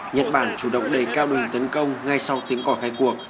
nhật bản chủ động đẩy cao đường tấn công ngay sau tiếng cỏ khai cuộc